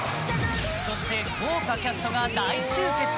そして豪華キャストが大集結。